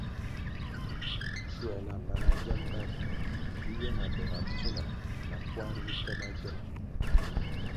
Schuer na mana giamga vi ywia na be pfuna na kwar vi ke magiong.